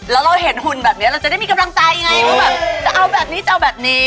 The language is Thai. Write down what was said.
แล้วเราเห็นหุ่นแบบนี้เราจะได้มีกำลังใจไงว่าแบบจะเอาแบบนี้จะเอาแบบนี้